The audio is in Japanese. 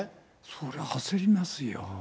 そりゃ焦りますよ。